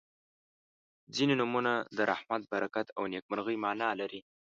• ځینې نومونه د رحمت، برکت او نیکمرغۍ معنا لري.